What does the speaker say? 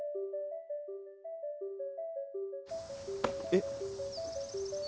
えっ？